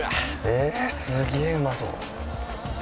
ええすげえうまそう。